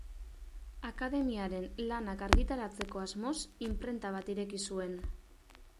Akademiaren lanak argitaratzeko asmoz inprenta bat ireki zuen.